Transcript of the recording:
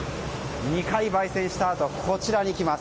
２回焙煎したあとはこちらに来ます。